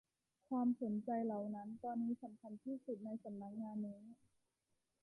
ความสนใจเหล่านั้นตอนนี้สำคัญที่สุดในสำนักงานนี้